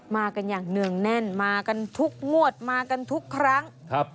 มากันอย่างเนื่องแน่นมากันทุกงวดมากันทุกครั้งครับ